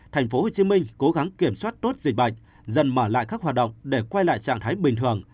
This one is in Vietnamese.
tp hcm cố gắng kiểm soát tốt dịch bệnh dần mở lại các hoạt động để quay lại trạng thái bình thường